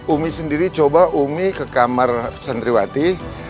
umi sendiri coba umi ke kamar santriwati